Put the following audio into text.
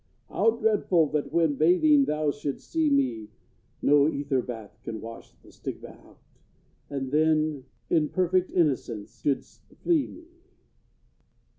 How dreadful that when bathing thou shouldst see me (No ether bath can wash the stigma out), And then, in perfect innocence, shouldst flee me!